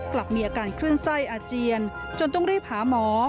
กลับมีอาการคลื่นไส้อาเจียนจนต้องรีบหาหมอ